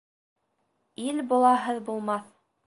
Ил болаһыҙ булмаҫ.